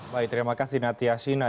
baik terima kasih natiasina